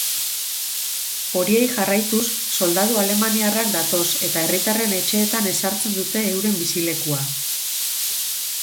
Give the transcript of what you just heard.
Horiei jarraituz, soldadu alemaniarrak datoz eta herritarren etxeetan ezartzen dute euren bizilekua.